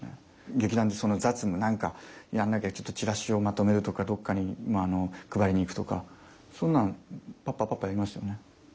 劇団でそんな雑務何かやんなきゃちょっとチラシをまとめるとかどっかに配りに行くとかそんなんぱっぱぱっぱやりますよね。